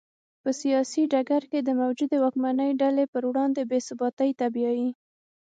په سیاسي ډګر کې د موجودې واکمنې ډلې پر وړاندې بې ثباتۍ ته بیايي.